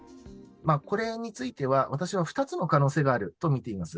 これについては、私は２つの可能性があると見ています。